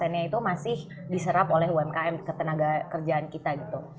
sembilan puluh enam nya itu masih diserap oleh umkm tenaga kerjaan kita gitu